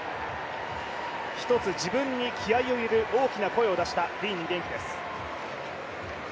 一つ自分に気合いを入れ、大きな声を出したディーン元気です。